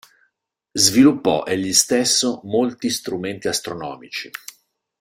Sviluppò egli stesso molti strumenti astronomici.